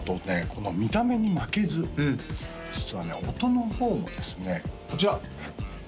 この見た目に負けず実はね音の方もですねこちら！